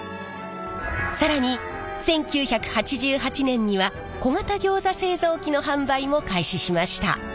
更に１９８８年には小型ギョーザ製造機の販売も開始しました。